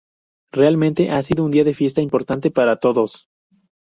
Realmente ha sido un día de fiesta importante para todos.